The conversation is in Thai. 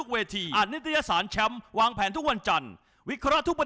เสียบด้วยเคลาสายครับ